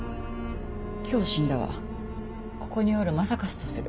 今日死んだはここにおる正勝とする。